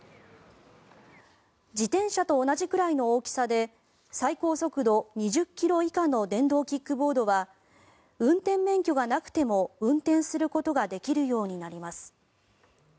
自転車と同じくらいの大きさで最高速度２０ｋｍ以下の電動キックボードは運転免許がなくても運転することができるようになります。